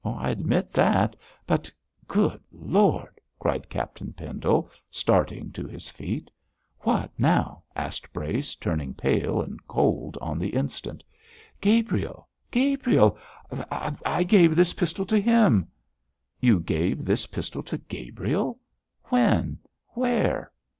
'I admit that, but Good Lord!' cried Captain Pendle, starting to his feet. 'What now?' asked Brace, turning pale and cold on the instant. 'Gabriel! Gabriel! I I gave this pistol to him.' 'You gave this pistol to Gabriel? When? Where?'